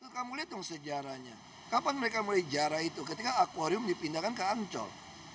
kamu lihat dong sejarahnya kapan mereka mulai jarah itu ketika akwarium dipindahkan ke ancol